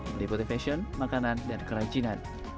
meliputi fashion makanan dan kerajinan